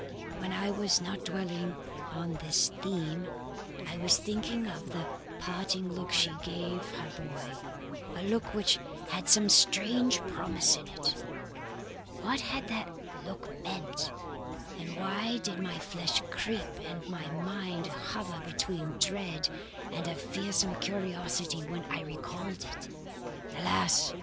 "When I was not dwelling on this theme, I was thinking of the parting look she gave her boy; a look which had some strange promise in it. What had that look meant and why did my flesh creep and my mind hover between dread and a fearsome curiosity when I recalled it? Alas!